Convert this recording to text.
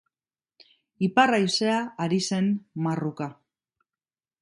Ipar haizea ari zen marruka.